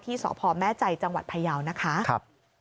สพแม่ใจจังหวัดพยาวนะคะ